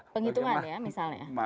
penghitungan ya misalnya